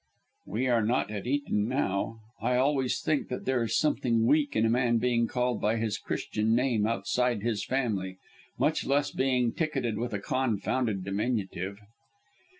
"We are not at Eton now. I always think that there is something weak in a man being called by his Christian name outside his family much less being ticketed with a confounded diminutive."